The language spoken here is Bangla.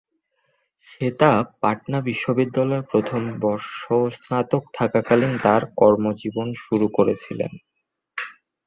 শ্বেতা পাটনা বিশ্ববিদ্যালয়ে প্রথম বর্ষ স্নাতক থাকাকালীন তার কর্মজীবন শুরু করেছিলেন।